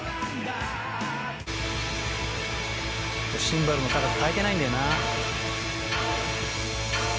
「シンバルの高さ変えてないんだよな」